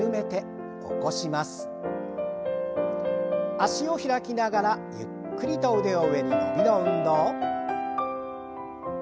脚を開きながらゆっくりと腕を上に伸びの運動。